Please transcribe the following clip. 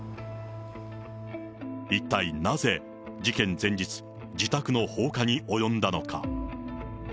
一体なぜ、事件前日、自宅の放火に及んだのか。